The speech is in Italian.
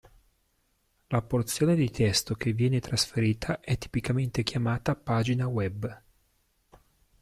La porzione di testo che viene trasferita è tipicamente chiamata pagina web.